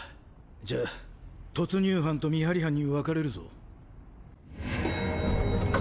じゃあ突入班と見張り班に分かれるぞ。